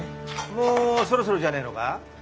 もうそろそろじゃねえのか？